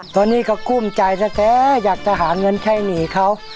ตอนนี้ก็กุ้มใจแท้อยากจะหาเงินใช้หนีเขา